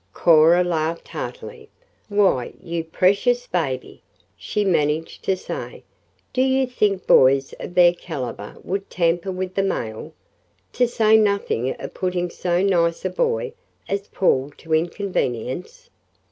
Cora laughed heartily. "Why, you precious baby!" she managed to say; "do you think boys of their caliber would tamper with the mail? To say nothing of putting so nice a boy as Paul to inconvenience?"